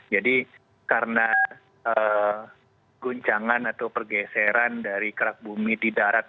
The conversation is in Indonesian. jadi karena guncangan atau pergeseran dari kerak bumi di darat